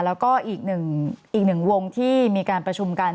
แล้วก็อีกหนึ่งวงที่มีการประชุมกัน